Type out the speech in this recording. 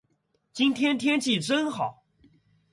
今天天气真好。